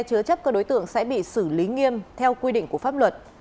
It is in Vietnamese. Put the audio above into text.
chứa chấp các đối tượng sẽ bị xử lý nghiêm theo quy định của pháp luật